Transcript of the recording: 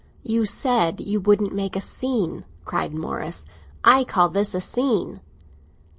"You said you wouldn't make a scene!" cried Morris. "I call this a scene."